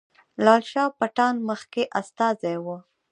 لال شاه پټان مخکې استازی وو.